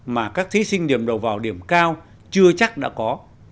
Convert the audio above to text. mà các thí sinh điểm đầu vào điểm cao chưa chắc đã có